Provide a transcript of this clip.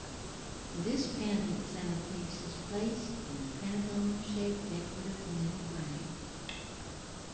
This pendent centerpiece is placed in a pentagon shaped decorative metal frame.